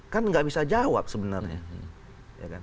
kan nggak bisa jawab sebenarnya